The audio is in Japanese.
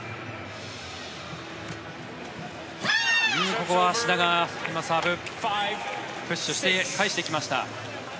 ここは志田がサーブ、プッシュして返していきました。